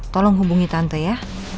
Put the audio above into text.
tolong hubungi tante ya